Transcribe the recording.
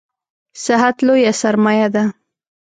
صحت لویه سرمایه ده